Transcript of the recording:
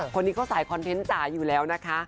คนนี้เขาสายคอนเทนต์จ๋าอยู่แล้วนะคะ